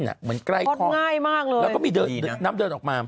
เหมือนใกล้ท้องง่ายมากเลยแล้วก็มีเดินน้ำเดินออกมา